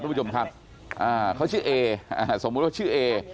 ผู้ชมครับเขาชื่อเอสมมุติว่าชื่อเอ